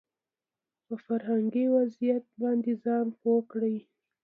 په فرهنګي وضعيت باندې ځان پوه کړي